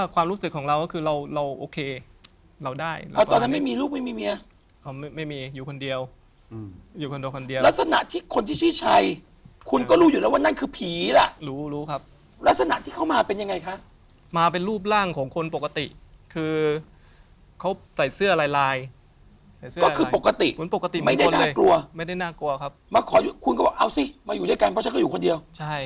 คุณก็บอกเอาสิมาอยู่ด้วยกันเพราะฉันก็อยู่คนเดียว